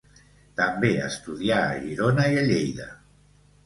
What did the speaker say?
També estudià a Girona i a Lleida.